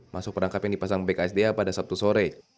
masuk perangkap yang dipasang bksda pada sabtu sore